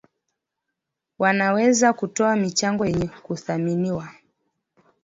wanaweza kutoa michango yenye kuthaminiwa